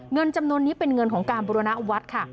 เงินจำนวนนี้เป็นเงินของการบุรณวัดค่ะ